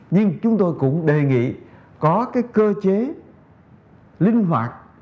nhưng chúng tôi cũng đề nghị có cái cơ chế linh hoạt